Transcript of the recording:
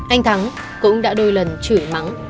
anh thắng cũng đã đôi lần chửi mắng